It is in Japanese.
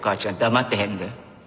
黙ってへんで。